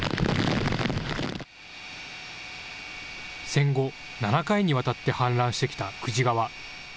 戦後、７回にわたって氾濫してきた久慈川。